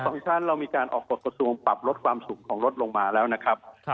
คือรถสองชั้นเรามีการออกกฎกฎสูงปรับรถความสูงของรถลงมาแล้วนะครับครับ